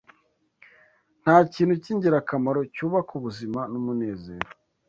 Nta kintu cy’ingirakamaro cyubaka ubuzima n’umunezero